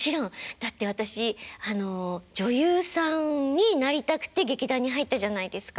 だって私あの女優さんになりたくて劇団に入ったじゃないですか。